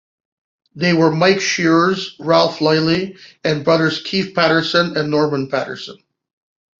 They were Mike Sheeres, Ralf Lilley, and brothers Keith Patterson and Norman Patterson.